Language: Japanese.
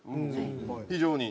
非常に。